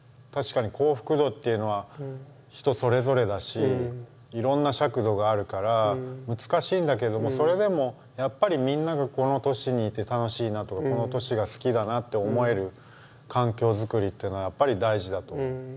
確かに幸福度っていうのは人それぞれだしいろんな尺度があるから難しいんだけれどもそれでもやっぱりみんながこの都市にいて楽しいなとかこの都市が好きだなって思える環境作りっていうのはやっぱり大事だと思う。